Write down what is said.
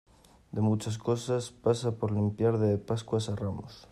de muchas cosas. pasa por limpiar de Pascuas a Ramos .